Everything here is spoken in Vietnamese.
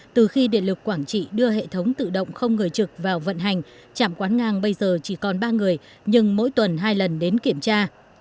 từ khi điện lực quảng trị đưa hệ thống tự động không người trực vào vận hành trạm quán ngang bây giờ chỉ còn ba người nhưng mỗi tuần hai lần đến kiểm tra